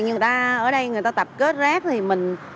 nhưng mà người ta ở đây người ta tập kết rác thì mình